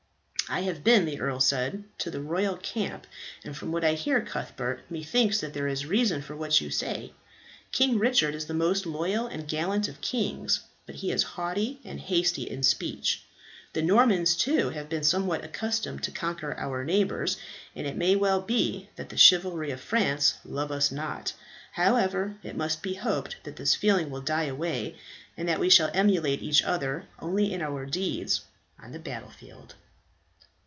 "I have been," the earl said, "to the royal camp, and from what I hear, Cuthbert, methinks that there is reason for what you say. King Richard is the most loyal and gallant of kings, but he is haughty, and hasty in speech. The Normans, too, have been somewhat accustomed to conquer our neighbours, and it may well be that the chivalry of France love us not. However, it must be hoped that this feeling will die away, and that we shall emulate each other only in our deeds on the battlefield."